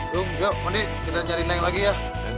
yuk yuk mandi kita cari neng lagi ya